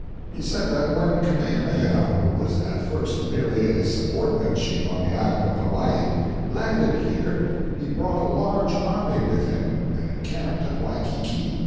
He said that when Kamehameha (who was at first merely a subordinate chief on the island of Hawaii), landed here, he brought a large army with him, and encamped at Waikiki.